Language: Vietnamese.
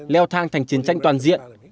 leo thang thành chiến tranh toàn diện